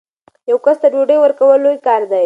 یو کس ته ډوډۍ ورکول لوی کار دی.